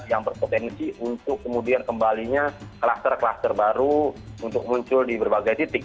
yang berpotensi untuk kemudian kembalinya kluster kluster baru untuk muncul di berbagai titik